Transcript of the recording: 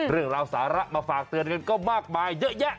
เรื่องราวสาระมาฝากเตือนกันก็มากมายเยอะแยะ